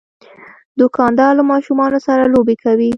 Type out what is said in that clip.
دوکاندار له ماشومان سره لوبې کوي.